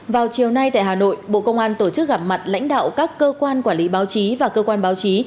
vào chiều nay tại hà nội bộ công an tổ chức gặp mặt lãnh đạo các cơ quan quản lý báo chí và cơ quan báo chí